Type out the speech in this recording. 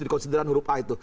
di konsideran huruf a itu